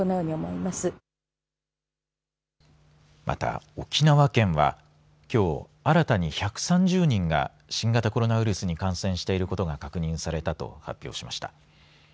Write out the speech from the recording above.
また、沖縄県は、きょう新たに１３０人が新型コロナウイルスに感染していることが確認されたと発表しました。